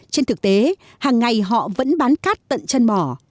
trên thực tế hàng ngày họ vẫn bán cát tận chân mỏ